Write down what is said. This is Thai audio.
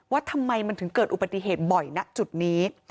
ว่าทำไมมันถึงเกิดอุบัติเหตุบ่อยณจุดนี้